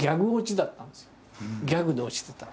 ギャグで落ちてたの。